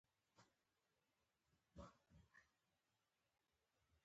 مشرانو او واکمنو ډلو عین رول لوباوه.